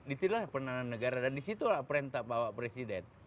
itulah penanganan negara dan disitulah perintah bapak presiden